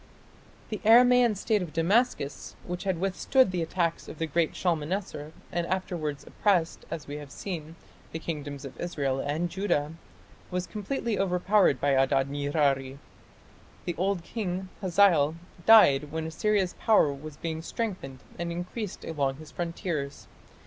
The Aramaean state of Damascus, which had withstood the attack of the great Shalmaneser and afterwards oppressed, as we have seen, the kingdoms of Israel and Judah, was completely overpowered by Adad nirari. The old king, Hazael, died when Assyria's power was being strengthened and increased along his frontiers.